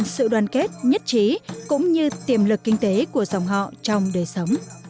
sự đoàn kết nhất trí cũng như tiềm lực kinh tế của dòng họ trong đời sống